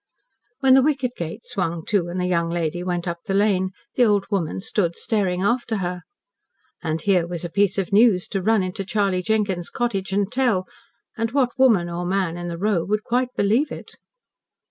When the wicket gate swung to and the young lady went up the lane, the old woman stood staring after her. And here was a piece of news to run into Charley Jenkins' cottage and tell and what woman or man in the row would quite believe it?